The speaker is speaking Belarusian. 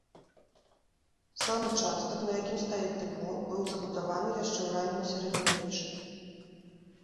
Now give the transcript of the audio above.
Сам участак, на якім стаіць дэпо, быў забудаваны яшчэ ў раннім сярэднявеччы.